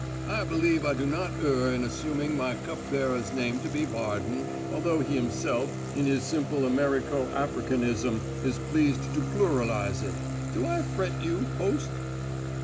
"I believe I do not err in assuming my cup bearer's name to be Varden, although he himself, in his simple Americo Africanism, is pleased to pluralize it. Do I fret you, host?"